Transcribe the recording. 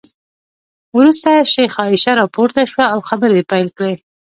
وروسته شیخه عایشه راپورته شوه او خبرې یې پیل کړې.